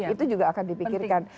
itu juga akan dipikirkan